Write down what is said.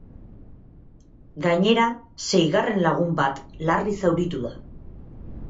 Gainera, seigarren lagun bat larri zauritu da.